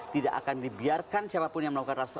tidak akan dibiarkan siapa pun yang melakukan